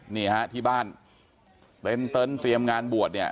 นี่ฮะที่บ้านเต็นต์เตรียมงานบวชเนี่ย